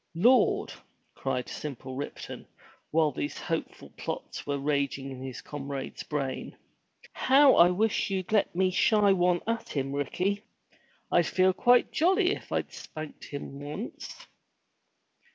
"Lord!'* cried simple Ripton, while these hopeful plots were raging in his comrade's brain. How I wish you'd have let me shy one at him, Ricky! I'd feel quite jolly if I'd spanked him once."